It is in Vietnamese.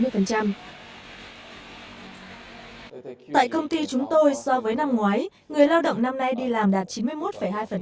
tại công ty chúng tôi so với năm ngoái người lao động năm nay đi làm đạt chín mươi một hai